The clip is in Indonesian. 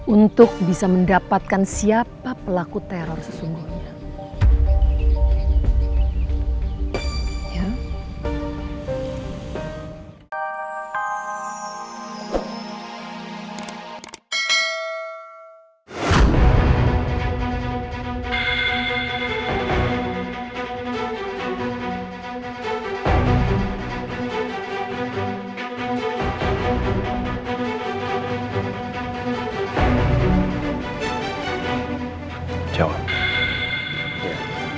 untuk bisa mendapatkan siapa pelaku teror sesungguhnya